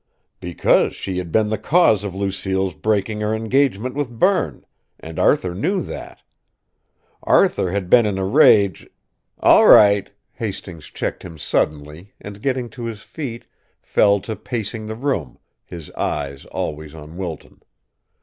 "Because she had been the cause of Lucille's breaking her engagement with Berne and Arthur knew that. Arthur had been in a rage " "All right!" Hastings checked him suddenly, and, getting to his feet, fell to pacing the room, his eyes, always on Wilton.